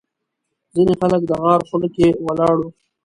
ځینې خلک د غار خوله کې ولاړ وو.